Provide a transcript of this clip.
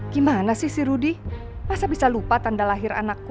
gimana sih si rudy masa bisa lupa tanda lahir anakku